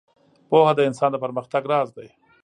• پوهه د انسان د پرمختګ راز دی.